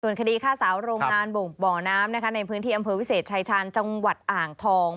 คดีฆ่าสาวโรงงานบ่อน้ำนะคะในพื้นที่อำเภอวิเศษชายชาญจังหวัดอ่างทอง